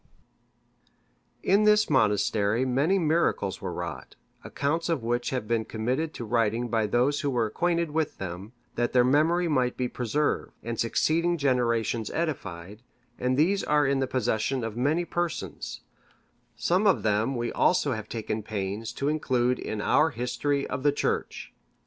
D.?] In this monastery many miracles were wrought, accounts of which have been committed to writing by those who were acquainted with them, that their memory might be preserved, and succeeding generations edified, and these are in the possession of many persons; some of them we also have taken pains to include in our History of the Church.